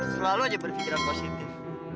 selalu aja berpikiran positif